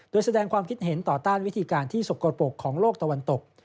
โดยแสดงความคิดเห็นต่อต้านวิธีการที่สกปรกของโลกตะวันตก